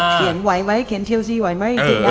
เขียนเชลซีไหวมั้ย